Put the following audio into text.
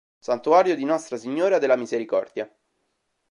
Santuario di Nostra Signora della Misericordia